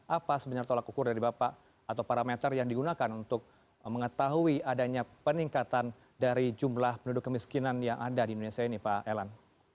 apa sebenarnya tolak ukur dari bapak atau parameter yang digunakan untuk mengetahui adanya peningkatan dari jumlah penduduk kemiskinan yang ada di indonesia ini pak elan